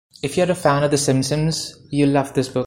If you're a fan of "The Simpsons", you'll love this book.